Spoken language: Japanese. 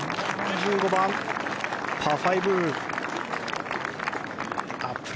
１５番、パー。